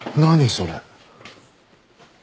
それ。